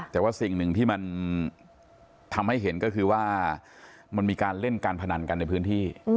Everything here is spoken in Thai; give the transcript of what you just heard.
แต่ว่าสิ่งหนึ่งที่มันทำให้เห็นก็คือว่ามันมีการเล่นการพนันกันในพื้นที่